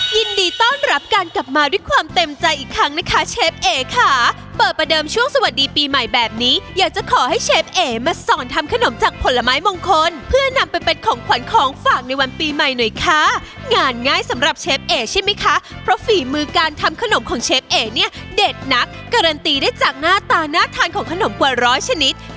ยินดีต้อนรับการกลับมาด้วยความเต็มใจอีกครั้งนะคะเชฟเอ๋ค่ะเปิดประเดิมช่วงสวัสดีปีใหม่แบบนี้อยากจะขอให้เชฟเอ๋มาสอนทำขนมจากผลไม้มงคลเพื่อนำไปเป็นของขวัญของฝากในวันปีใหม่หน่อยค่ะงานง่ายสำหรับเชฟเอ๋ใช่ไหมคะเพราะฝีมือการทำขนมของเชฟเอ๋เนี่ยเด็ดนักการันตีได้จากหน้าตาน่าทานของขนมกว่าร้อยชนิด